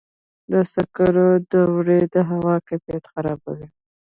د سکرو دوړې د هوا کیفیت خرابوي.